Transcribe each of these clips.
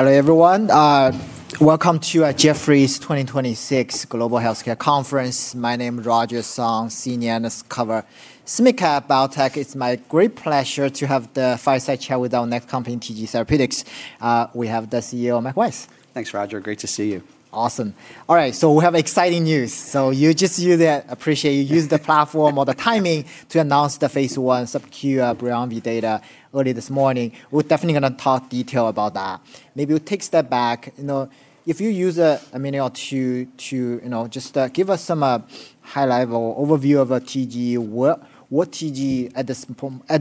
Hello, everyone. Welcome to the Jefferies Global Healthcare Conference 2026. My name is Roger Song, senior analyst cover small/mid-cap biotech. It's my great pleasure to have the fireside chat with our next company, TG Therapeutics. We have the CEO, Mike Weiss. Thanks, Roger. Great to see you. Awesome. All right, we have exciting news. You use the platform or the timing to announce the phase I SUB-Q BRIUMVI data early this morning. We're definitely going to talk detail about that. Maybe we'll take a step back. If you use a minute or two to just give us some high-level overview of TG. What TG at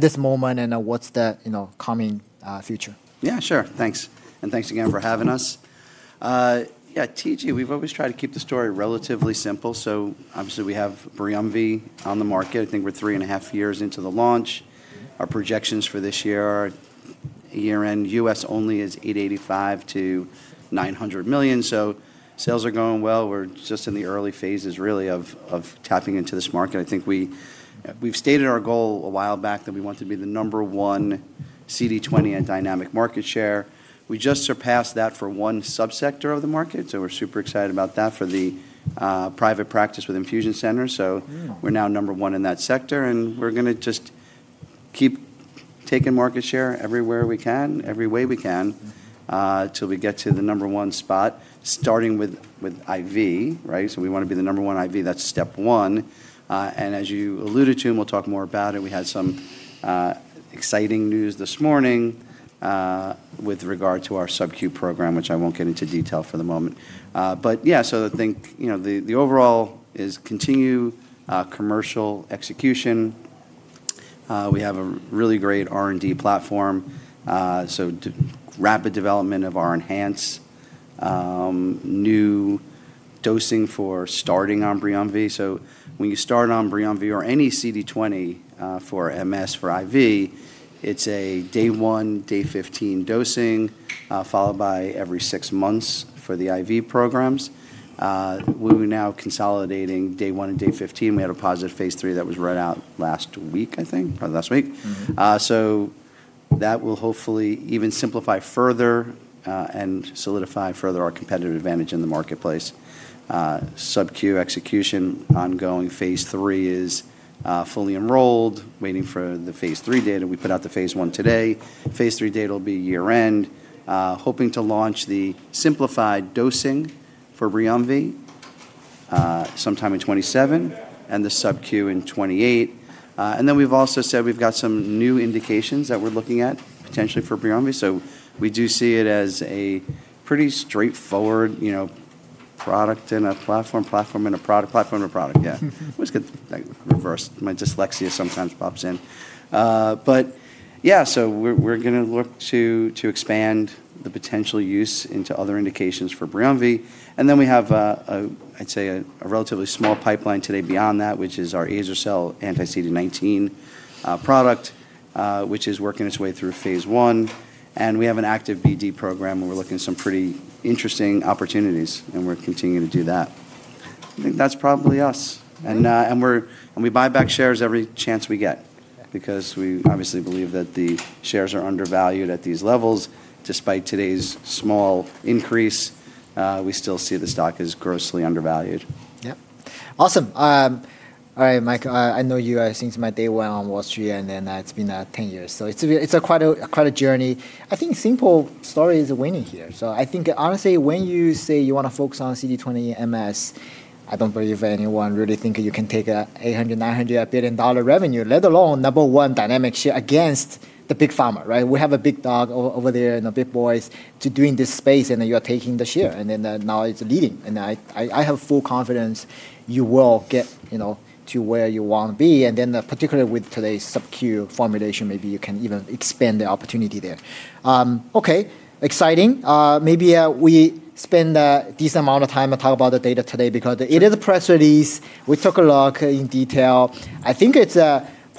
this moment and what's the coming future? Yeah, sure. Thanks. Thanks again for having us. Yeah, TG, we've always tried to keep the story relatively simple. Obviously, we have BRIUMVI on the market. I think we're three and a half years into the launch. Our projections for this year are year-end U.S. only is $885 million-$900 million. Sales are going well. We're just in the early phases, really, of tapping into this market. I think we've stated our goal a while back that we want to be the number one CD20 in dynamic market share. We just surpassed that for one sub-sector of the market, so we're super excited about that for the private practice with infusion centers. We're now number one in that sector, and we're going to just keep taking market share everywhere we can, every way we can, till we get to the number one spot, starting with IV, right? We want to be the number one IV. As you alluded to, and we'll talk more about it, we had some exciting news this morning with regard to our SUB-Q program, which I won't get into detail for the moment. I think the overall is continue commercial execution. We have a really great R&D platform, so rapid development of our ENHANCE new dosing for starting on BRIUMVI. When you start on BRIUMVI or any CD20 for MS for IV, it's a day one, day 15 dosing, followed by every six months for the IV programs. We're now consolidating day one and day 15. We had a positive phase III that was read out last week, I think. Probably last week. That will hopefully even simplify further and solidify further our competitive advantage in the marketplace. SUB-Q execution ongoing. phase III is fully enrolled, waiting for the phase III data. We put out the phase I today. phase III data will be year-end. Hoping to launch the simplified dosing for BRIUMVI sometime in 2027 and the SUB-Q in 2028. Then we've also said we've got some new indications that we're looking at potentially for BRIUMVI. We do see it as a pretty straightforward product in a platform in a product. Yeah. Always get that reversed. My dyslexia sometimes pops in. Yeah. We're going to look to expand the potential use into other indications for BRIUMVI. We have, I'd say, a relatively small pipeline today beyond that, which is our Azer-cel anti-CD19 product, which is working its way through phase I. We have an active BD program, and we're looking at some pretty interesting opportunities, and we're continuing to do that. I think that's probably us. We buy back shares every chance we get, because we obviously believe that the shares are undervalued at these levels. Despite today's small increase, we still see the stock as grossly undervalued. Yep. Awesome. All right, Mike, I know you since my day one on Wall Street, it's been 10 years, it's quite a journey. I think simple story is winning here. I think honestly, when you say you want to focus on CD20 MS, I don't believe anyone really think you can take an $800 billion-$900 billion revenue, let alone number one dynamic share against the big pharma, right? We have a big dog over there and the big boys to do in this space, you are taking the share, now it's leading. I have full confidence you will get to where you want to be. Particularly with today's SUB-Q formulation, maybe you can even expand the opportunity there. Okay. Exciting. Maybe we spend a decent amount of time and talk about the data today because it is a press release. We took a look in detail. I think it's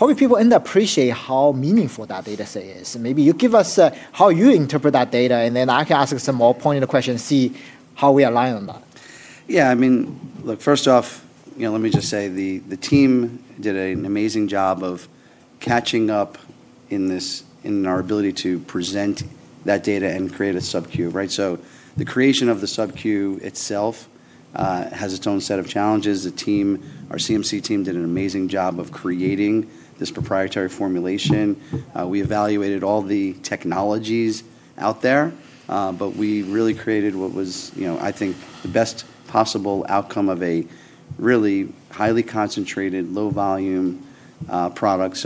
probably people underappreciate how meaningful that data set is. Maybe you give us how you interpret that data, and then I can ask you some more pointed questions, see how we align on that. I mean, look, first off, let me just say the team did an amazing job of catching up in our ability to present that data and create a SUB-Q, right? The creation of the SUB-Q itself has its own set of challenges. Our CMC team did an amazing job of creating this proprietary formulation. We evaluated all the technologies out there, we really created what was, I think, the best possible outcome of a really highly concentrated, low volume product.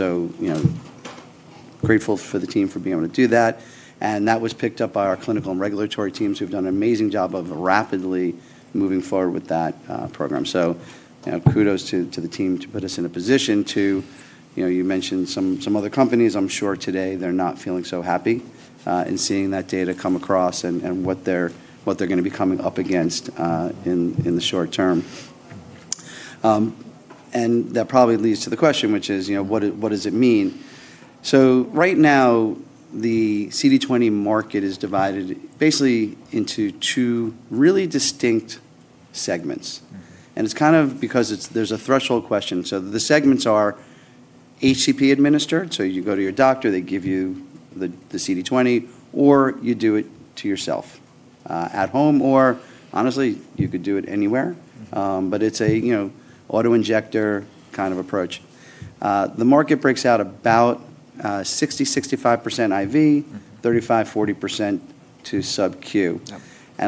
Grateful for the team for being able to do that. That was picked up by our clinical and regulatory teams, who've done an amazing job of rapidly moving forward with that program. Kudos to the team to put us in a position. You mentioned some other companies. I'm sure today they're not feeling so happy in seeing that data come across and what they're going to be coming up against in the short term. That probably leads to the question, which is, what does it mean? Right now, the CD20 market is divided basically into two really distinct segments. It's kind of because there's a threshold question. The segments are HCP administered, so you go to your doctor, they give you the CD20, or you do it to yourself at home, or honestly, you could do it anywhere. It's an auto-injector kind of approach. The market breaks out about 60%-65% IV, 35%-40% to SUB-Q. Yep.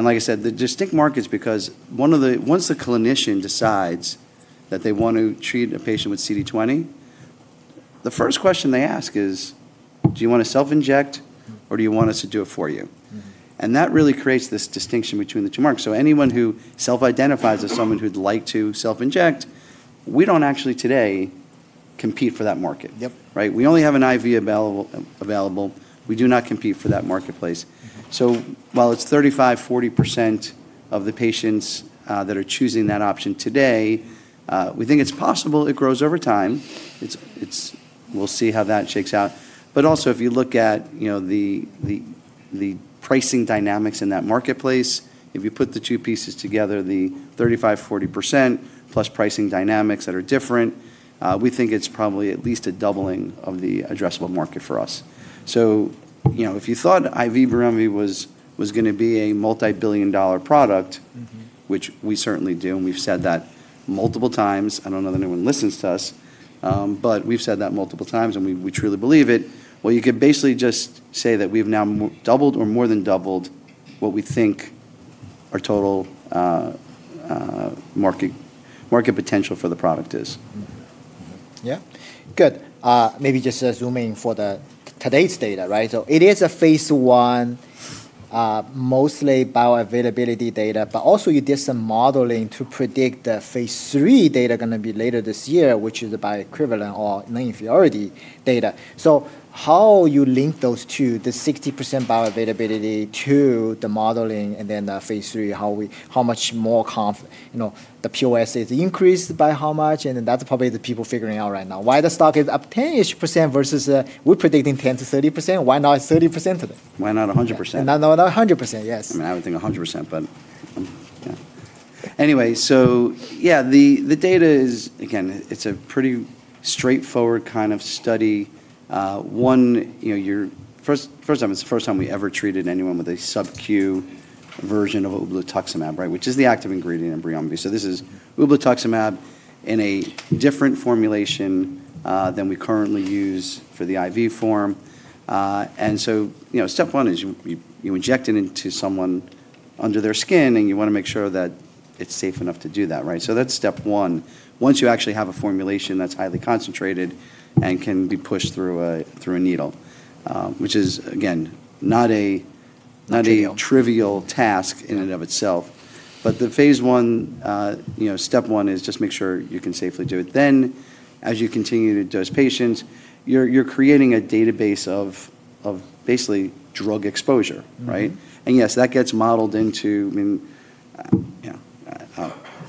Like I said, the distinct markets, because once the clinician decides that they want to treat a patient with CD20, the first question they ask is, "Do you want to self-inject, or do you want us to do it for you? That really creates this distinction between the two markets. Anyone who self-identifies as someone who'd like to self-inject, we don't actually today compete for that market. Yep. Right? We only have an IV available. We do not compete for that marketplace. While it's 35%-40% of the patients that are choosing that option today, we think it's possible it grows over time. We'll see how that shakes out. Also, if you look at the pricing dynamics in that marketplace, if you put the two pieces together, the 35%-40% plus pricing dynamics that are different, we think it's probably at least a doubling of the addressable market for us. If you thought IV BRIUMVI was going to be a multi-billion-dollar product. which we certainly do, and we've said that multiple times. I don't know that anyone listens to us, but we've said that multiple times, and we truly believe it. Well, you could basically just say that we've now doubled or more than doubled what we think our total market potential for the product is. Mm-hmm. Yeah. Good. Maybe just zooming for today's data, right? It is a phase I, mostly bioavailability data, but also you did some modeling to predict the phase III data, going to be later this year, which is the bioequivalent or non-inferiority data. How you link those two, the 60% bioavailability to the modeling and then the phase III, how much more the POS is increased by how much, and then that's probably the people figuring out right now. Why the stock is up 10-ish% versus we're predicting 10%-30%. Why not 30% today? Why not 100%? Why not 100%, yes? I would think 100%. Yeah. Anyway, yeah, the data is, again, it's a pretty straightforward kind of study. It's the first time we ever treated anyone with a SUB-Q version of ublituximab, right? Which is the active ingredient in BRIUMVI. This is ublituximab in a different formulation than we currently use for the IV form. Step one is you inject it into someone under their skin, and you want to make sure that it's safe enough to do that, right? That's step one. Once you actually have a formulation that's highly concentrated and can be pushed through a needle, which is, again, not a. Trivial trivial task in and of itself. The phase I, step one is just make sure you can safely do it. As you continue to dose patients, you're creating a database of basically drug exposure, right? Yes, that gets modeled into.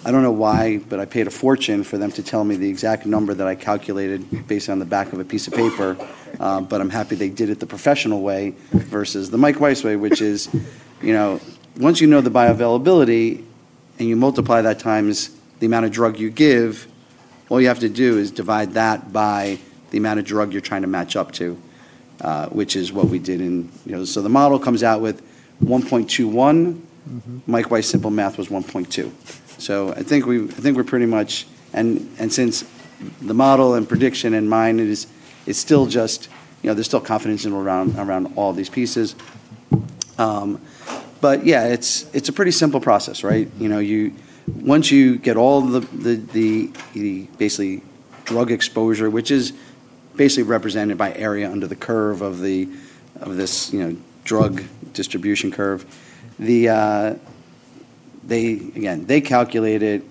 I don't know why, but I paid a fortune for them to tell me the exact number that I calculated based on the back of a piece of paper, but I'm happy they did it the professional way versus the Michael Weiss way, which is once you know the bioavailability and you multiply that times the amount of drug you give, all you have to do is divide that by the amount of drug you're trying to match up to, which is what we did. The model comes out with 1.21. Michael Weiss simple math was 1.2. I think we're pretty much. Since the model and prediction in mind, there's still confidence around all these pieces. Yeah, it's a pretty simple process, right? Once you get all the basically drug exposure, which is basically represented by area under the curve of this drug distribution curve. Again, they calculate it,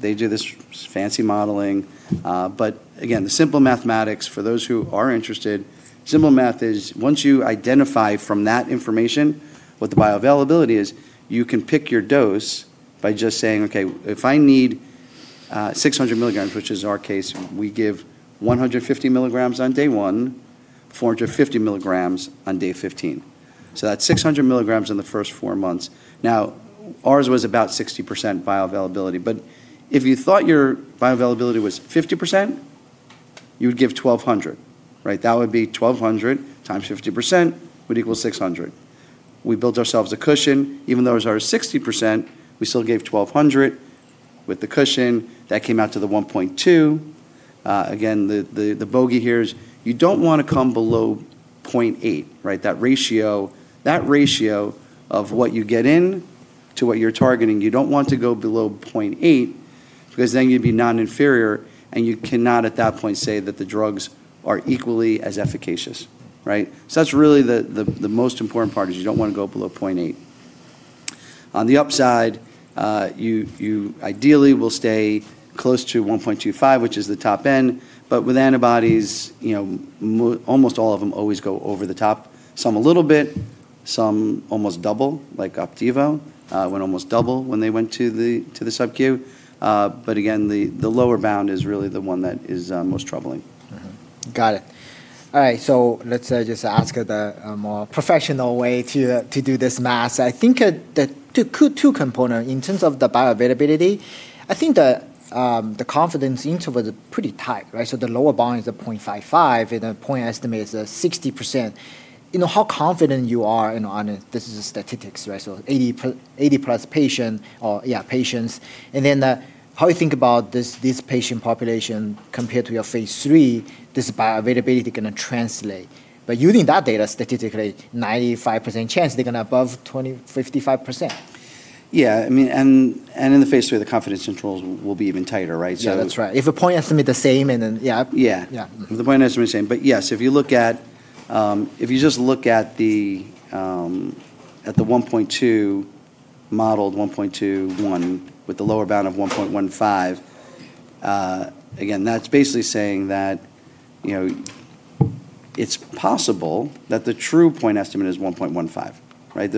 they do this fancy modeling. Again, the simple mathematics for those who are interested, simple math is once you identify from that information what the bioavailability is, you can pick your dose by just saying, "Okay, if I need 600 mg," which is our case, we give 150 mg on day one, 450 mg on day 15. That's 600 mgs in the first four months. Ours was about 60% bioavailability, but if you thought your bioavailability was 50%, you would give 1,200 mg. Right? That would be 1,200mg times 50% would equal 600 mg. We built ourselves a cushion. Even though it was our 60%, we still gave 1,200 mg with the cushion. That came out to the 1.2. The bogey here is you don't want to come below 0.8, right. That ratio of what you get in to what you're targeting, you don't want to go below 0.8 because then you'd be non-inferior, and you cannot, at that point, say that the drugs are equally as efficacious. Right. That's really the most important part, is you don't want to go below 0.8. On the upside, you ideally will stay close to 1.25, which is the top end. With antibodies, almost all of them always go over the top. Some a little bit, some almost double, like Opdivo went almost double when they went to the SUB-Q. Again, the lower bound is really the one that is most troubling. Mm-hmm. Got it. All right. Let's just ask the more professional way to do this math. I think there are two components in terms of the bioavailability. I think the confidence interval is pretty tight, right? The lower bound is at 0.55, and the point estimate is 60%. How confident you are on it, this is statistics, right? 80+ patients. How you think about this patient population compared to your phase III, this bioavailability going to translate. Using that data statistically, 95% chance they're going to above 20%-55%. Yeah. In the phase III, the confidence intervals will be even tighter, right? Yeah, that's right. If the point estimate the same and then, yeah. Yeah. Yeah. The point estimate the same. Yes, if you just look at the 1.2 model, 1.21 with the lower bound of 1.15, again, that's basically saying that it's possible that the true point estimate is 1.15, right?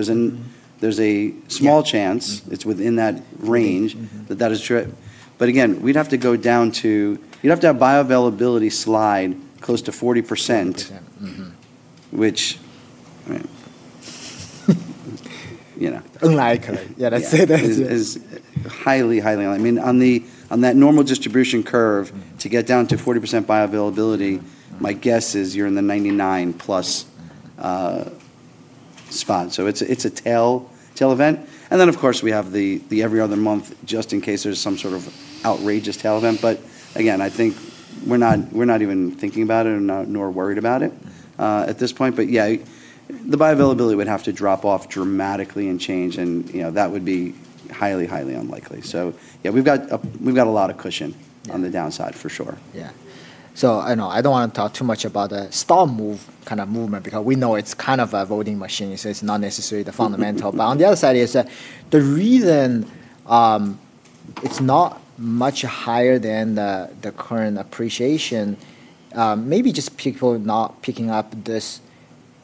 There's a small chance, it's within that range, that that is true. Again, you'd have to have bioavailability slide close to 40%. Unlikely. Yeah, that's it. Is highly unlikely. On that normal distribution curve, to get down to 40% bioavailability, my guess is you're in the 99+ spot. It's a tail event. Of course, we have the every other month, just in case there's some sort of outrageous tail event. Again, I think we're not even thinking about it nor worried about it at this point. Yeah, the bioavailability would have to drop off dramatically and change and that would be highly unlikely. Yeah, we've got a lot of cushion on the downside for sure. Yeah. I know I don't want to talk too much about the stock move kind of movement because we know it's kind of a voting machine, so it's not necessarily the fundamental. On the other side is the reason it's not much higher than the current appreciation, maybe just people not picking up this,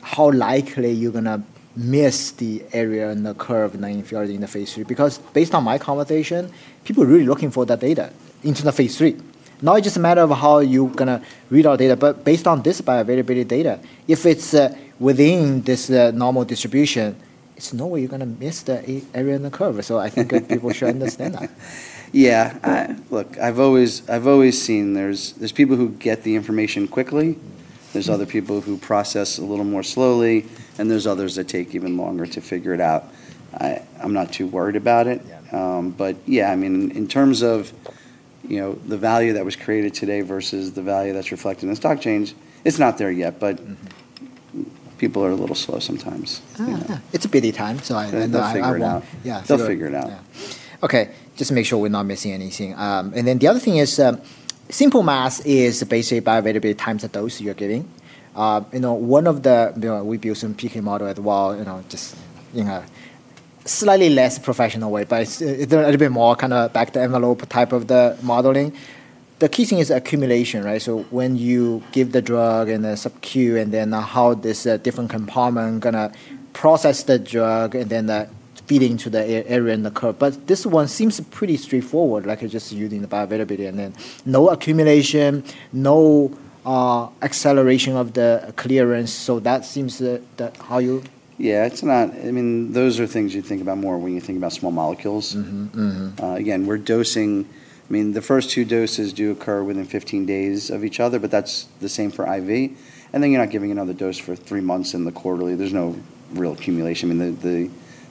how likely you're going to miss the area under the curve now if you are in the phase III. Based on my conversation, people are really looking for that data into the phase III. It's just a matter of how you going to read our data. Based on this bioavailability data, if it's within this normal distribution, it's no way you're going to miss the area under the curve. I think people should understand that. Yeah. Look, I've always seen there's people who get the information quickly, there's other people who process a little more slowly, and there's others that take even longer to figure it out. I'm not too worried about it. Yeah. Yeah, in terms of the value that was created today versus the value that's reflected in the stock change, it's not there yet, but people are a little slow sometimes. Yeah. It's BD time, so I won't. They'll figure it out. Yeah, sure. They'll figure it out. Yeah. Okay, just to make sure we're not missing anything. The other thing is simple math is basically bioavailability times the dose you're giving. We built some PK model as well, just slightly less professional way, but it's a little bit more back of the envelope type of the modeling. The key thing is accumulation, right? When you give the drug in a SUB-Q, and then how this different compartment going to process the drug, and then that feed into the area under the curve. This one seems pretty straightforward, like just using the bioavailability, and then no accumulation, no acceleration of the clearance. That seems that how you. Yeah. Those are things you think about more when you think about small molecules. Again, we're dosing. The first two doses do occur within 15 days of each other, that's the same for IV. You're not giving another dose for three months in the quarterly. There's no real accumulation. The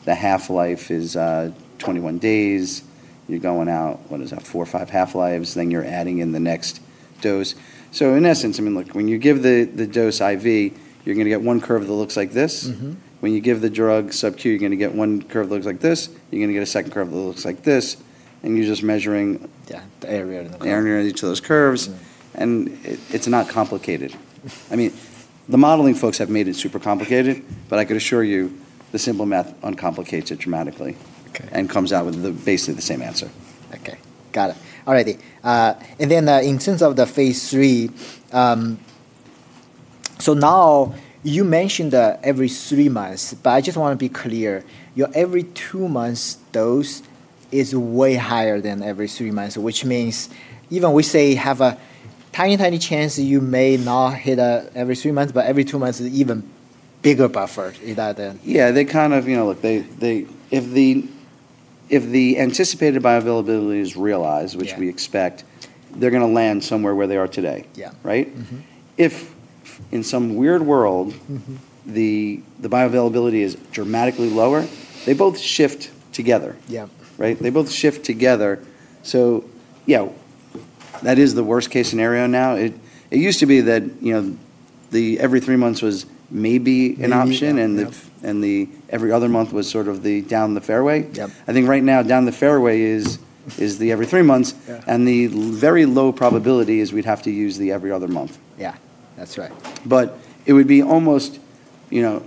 half-life is 21 days. You're going out, what is that? Four or five half-lives, you're adding in the next dose. In essence, when you give the dose IV, you're going to get one curve that looks like this. When you give the drug SUB-Q, you're going to get one curve that looks like this. You're going to get a second curve that looks like this, and you're just measuring. Yeah, the area under the curve. the area under each of those curves. Yeah. It's not complicated. The modeling folks have made it super complicated, but I could assure you the simple math uncomplicates it dramatically. Okay. Comes out with basically the same answer. Okay. Got it. All right. In terms of the phase III, now you mentioned every three months, but I just want to be clear. Your every two months dose is way higher than every three months, which means even we say have a tiny chance that you may not hit every three months, but every two months is even bigger buffer in that then. Yeah. If the anticipated bioavailability is realized. Yeah which we expect, they're going to land somewhere where they are today. Yeah. Right? If in some weird world- the bioavailability is dramatically lower, they both shift together. Yeah. Right? They both shift together. Yeah, that is the worst case scenario now. It used to be that the every three months was maybe an option. Maybe an option, yeah. The every other month was sort of the down the fairway. Yep. I think right now down the fairway is the every three months. Yeah. The very low probability is we'd have to use the every other month. Yeah. That's right. It'd be almost impossible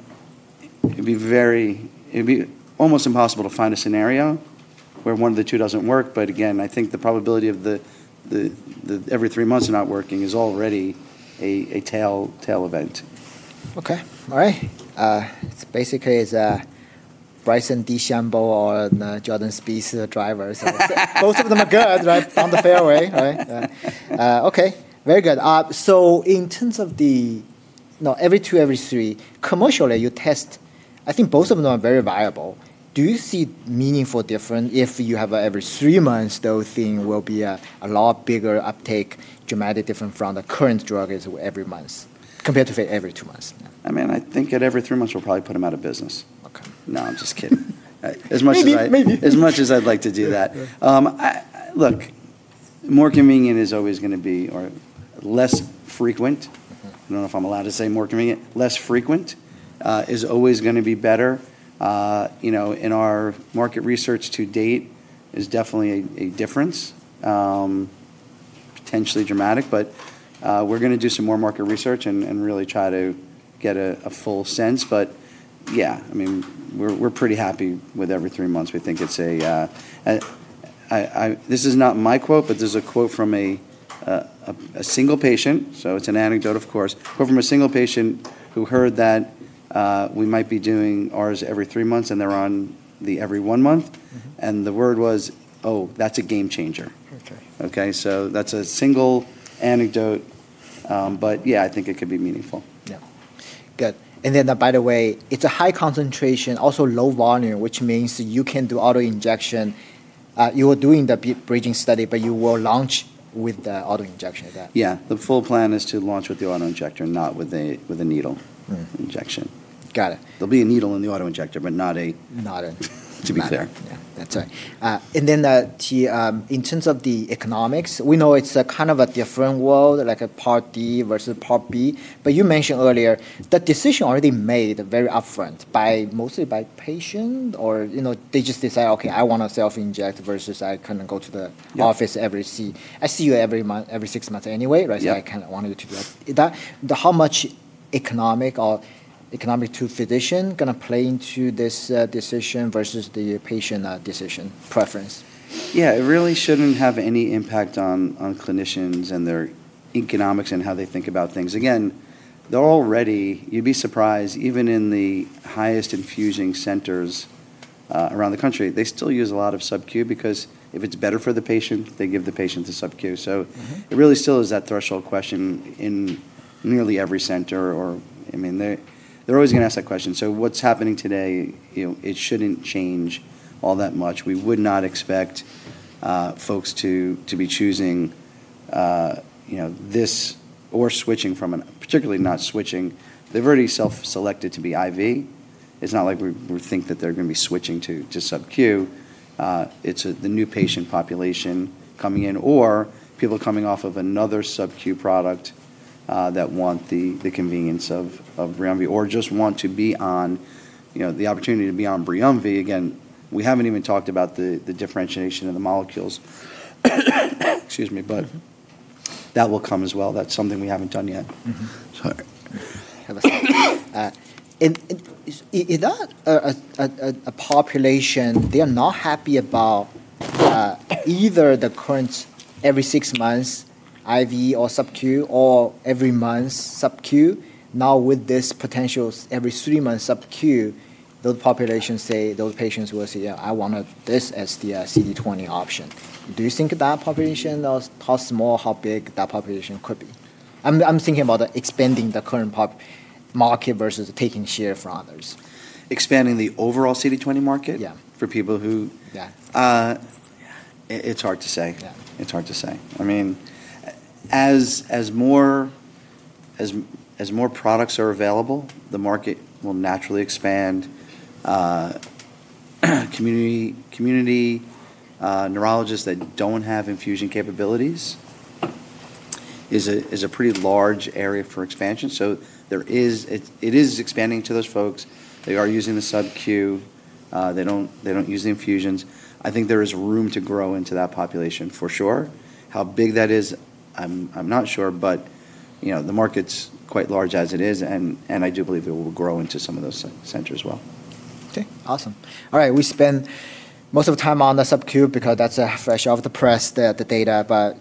to find a scenario where one of the two doesn't work, but again, I think the probability of the every three months not working is already a tail event. Okay. All right. It's basically Bryson DeChambeau or Jordan Spieth's driver. Both of them are good on the fairway, right? Okay, very good. In terms of the every two, every three, commercially you test, I think both of them are very viable. Do you see meaningful difference if you have every three months, those things will be a lot bigger uptake, dramatic difference from the current drug is every month compared to every two months? I think at every three months we'll probably put them out of business. Okay. No, I'm just kidding. Maybe. As much as I'd like to do that. Look, more convenient is always going to be or less frequent, I don't know if I'm allowed to say more convenient, less frequent is always going to be better. In our market research to date, there's definitely a difference, potentially dramatic. We're going to do some more market research and really try to get a full sense. Yeah, we're pretty happy with every three months. This is not my quote, but this is a quote from a single patient, so it's an anecdote of course, but from a single patient who heard that we might be doing ours every three months and they're on the every one month, and the word was, "Oh, that's a game changer. Okay. That's a single anecdote. Yeah, I think it could be meaningful. Yeah. Good. By the way, it's a high concentration, also low volume, which means you can do auto-injection. You are doing the bridging study, you will launch with the auto-injection of that. Yeah, the full plan is to launch with the auto-injector, not with a needle injection. Got it. There'll be a needle in the auto-injector, but. Not a- To be clear. Yeah, that's right. In terms of the economics, we know it's a different world, like Part D versus Part B. You mentioned earlier the decision already made very upfront mostly by patient or they just decide, "Okay, I want to self-inject versus I go to the office every six. I see you every six months anyway, right? Yeah. I wanted to be like How much economic to physician going to play into this decision versus the patient decision preference? Yeah, it really shouldn't have any impact on clinicians and their economics and how they think about things. Again, you'd be surprised, even in the highest infusing centers around the country, they still use a lot of SUB-Q because if it's better for the patient, they give the patient the SUB-Q. It really still is that threshold question in nearly every center. They're always going to ask that question. What's happening today, it shouldn't change all that much. We would not expect folks to be choosing this or switching from, particularly not switching. They've already self-selected to be IV. It's not like we think that they're going to be switching to SUB-Q. It's the new patient population coming in or people coming off of another SUB-Q product that want the convenience of BRIUMVI or just want the opportunity to be on BRIUMVI. We haven't even talked about the differentiation of the molecules. Excuse me, that will come as well. That's something we haven't done yet. Sorry. In that population, they are not happy about either the current every six months IV or SUB-Q or every month SUB-Q. Now, with this potential every three months SUB-Q, those patients will say, "I wanted this as the CD20 option." Do you think that population, how small or how big that population could be? I'm thinking about expanding the current market versus taking share from others. Expanding the overall CD20 market? Yeah. For people who- Yeah It's hard to say. Yeah. It's hard to say. As more products are available, the market will naturally expand. Community neurologists that don't have infusion capabilities is a pretty large area for expansion. It is expanding to those folks. They are using the SUB-Q. They don't use the infusions. I think there is room to grow into that population for sure. How big that is, I'm not sure, but the market's quite large as it is, and I do believe it will grow into some of those centers as well. Okay, awesome. All right, we spent most of the time on the SUB-Q because that's fresh off the press, the data.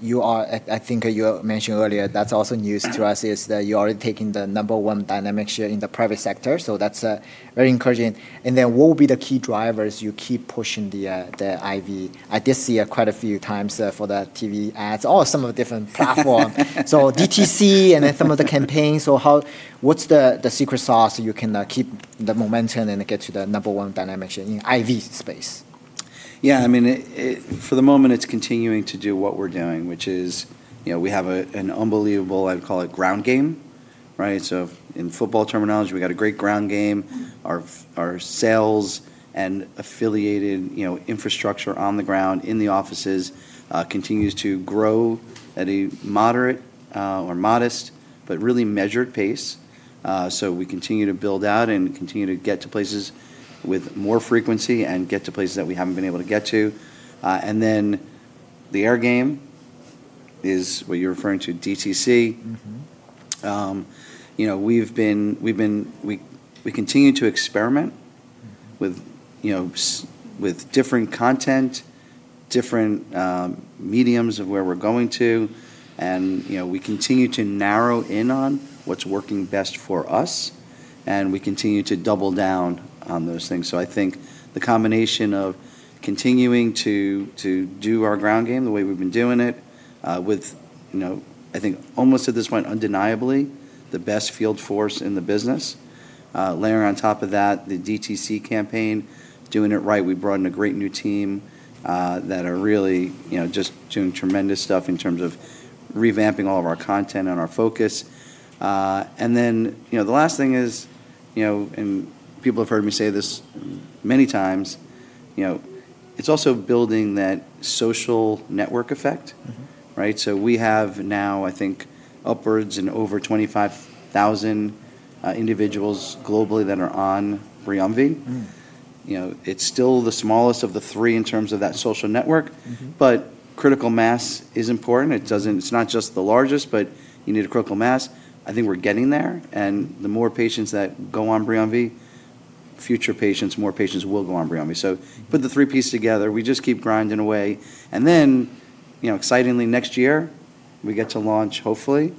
No, I think you mentioned earlier that's also news to us, is that you're already taking the number one dynamic share in the private sector. That's very encouraging. What will be the key drivers you keep pushing the IV? I did see quite a few times for the TV ads or some of the different platforms. DTC and then some of the campaigns. What's the secret sauce you can keep the momentum and get to the number one dynamic share in IV space? For the moment it's continuing to do what we're doing, which is we have an unbelievable, I'd call it ground game, right? In football terminology, we've got a great ground game. Our sales and affiliated infrastructure on the ground in the offices continues to grow at a moderate or modest but really measured pace. We continue to build out and continue to get to places with more frequency and get to places that we haven't been able to get to. Then the air game is what you're referring to, DTC. We continue to experiment with different content different mediums of where we're going to, and we continue to narrow in on what's working best for us, and we continue to double down on those things. I think the combination of continuing to do our ground game the way we've been doing it with, I think almost at this point undeniably, the best field force in the business. Layer on top of that, the DTC campaign, doing it right. We brought in a great new team that are really just doing tremendous stuff in terms of revamping all of our content and our focus. The last thing is, and people have heard me say this many times, it's also building that social network effect. Right? We have now, I think, upwards and over 25,000 individuals globally that are on BRIUMVI. It's still the smallest of the three in terms of that social network. Critical mass is important. It's not just the largest, you need a critical mass. I think we're getting there, the more patients that go on BRIUMVI, future patients, more patients will go on BRIUMVI. Put the three pieces together, we just keep grinding away. Excitingly next year, we get to launch, hopefully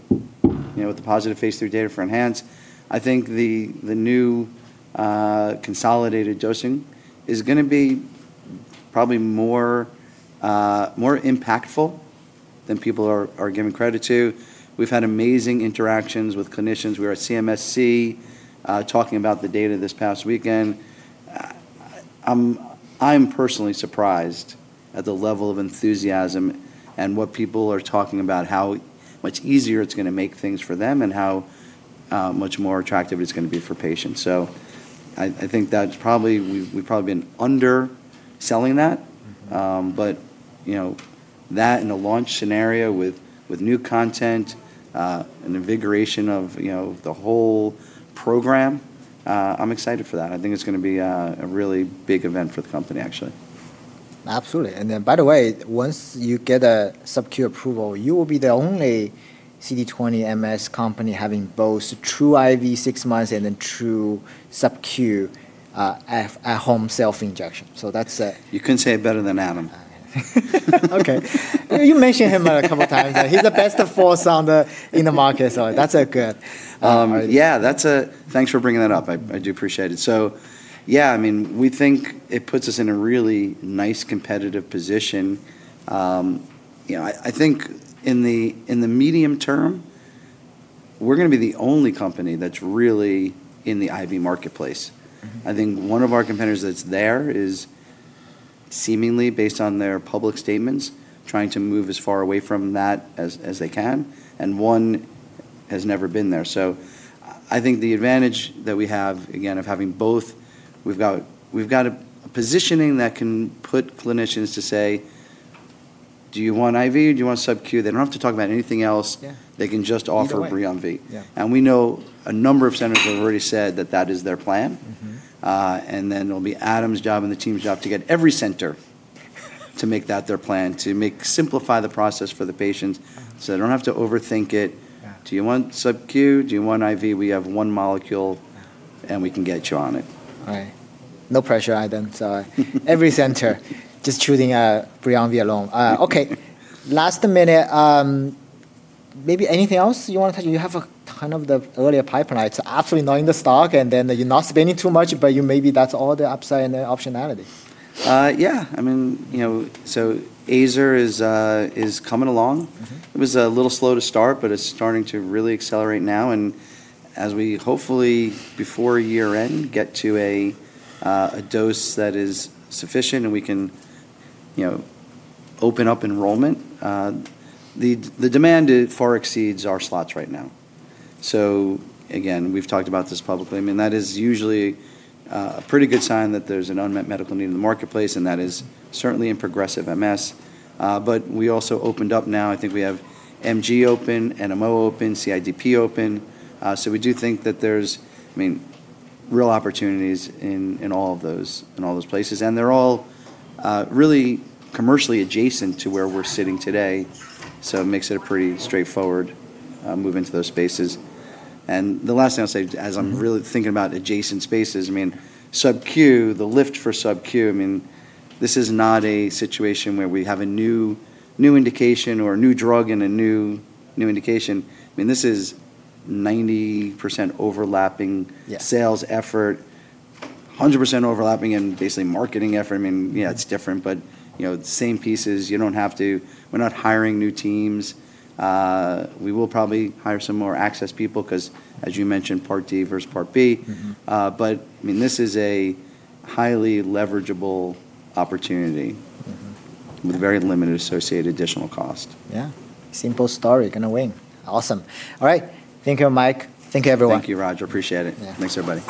with the positive phase III data for ENHANCE. I think the new consolidated dosing is going to be probably more impactful than people are giving credit to. We've had amazing interactions with clinicians. We were at CMSC, talking about the data this past weekend. I'm personally surprised at the level of enthusiasm and what people are talking about, how much easier it's going to make things for them, and how much more attractive it's going to be for patients. I think that we've probably been underselling that. That in a launch scenario with new content, an invigoration of the whole program, I'm excited for that. I think it's going to be a really big event for the company, actually. Absolutely. By the way, once you get a SUB-Q approval, you will be the only CD20 MS company having both true IV six months and a true SUB-Q at-home self injection. You couldn't say it better than Adam. Okay. You mentioned him a couple of times. He's the best in force in the market, so that's good. Yeah. Thanks for bringing that up. I do appreciate it. Yeah, we think it puts us in a really nice competitive position. I think in the medium term, we're going to be the only company that's really in the IV marketplace. I think one of our competitors that's there is seemingly, based on their public statements, trying to move as far away from that as they can, and one has never been there. I think the advantage that we have, again, of having both, we've got a positioning that can put clinicians to say, "Do you want IV? Do you want SUB-Q?" They don't have to talk about anything else. Yeah. They can just offer BRIUMVI. Either way. Yeah. We know a number of centers have already said that that is their plan. Then it'll be Adam's job and the team's job to get every center to make that their plan, to simplify the process for the patients, so they don't have to overthink it. Yeah. Do you want SUB-Q? Do you want IV? We have one molecule, and we can get you on it. Right. No pressure items. Every center just choosing BRIUMVI alone. Okay. Last minute, maybe anything else you want to tell? You have a ton of the earlier pipeline. It's absolutely not in the stock, and then you're not spending too much, but maybe that's all the upside and the optionality. Yeah. Azer-cel is coming along. It was a little slow to start, but it's starting to really accelerate now. As we hopefully before year-end, get to a dose that is sufficient, and we can open up enrollment. The demand far exceeds our slots right now. Again, we've talked about this publicly. That is usually a pretty good sign that there's an unmet medical need in the marketplace, and that is certainly in progressive MS. We also opened up now, I think we have MG open, NMO open, CIDP open. We do think that there's real opportunities in all of those places, and they're all really commercially adjacent to where we're sitting today, so it makes it a pretty straightforward move into those spaces. The last thing I'll say as I'm really thinking about adjacent spaces, SUB-Q, the lift for SUB-Q, this is not a situation where we have a new indication or a new drug and a new indication. This is 90% overlapping. Yeah sales effort, 100% overlapping and basically marketing effort. It's different, but the same pieces. We're not hiring new teams. We will probably hire some more access people because, as you mentioned, Part D versus Part B. This is a highly leverageable opportunity. with very limited associated additional cost. Yeah. Simple story. You're going to win. Awesome. All right. Thank you, Mike. Thank you, everyone. Thank you, Roger. Appreciate it. Yeah. Thanks, everybody.